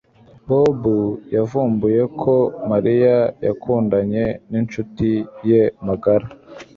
Bobo yavumbuye ko Mariya yakundanye nincuti ye magara